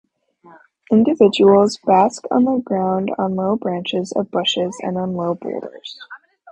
Individuals bask on the ground, on low branches of bushes, and on low boulders.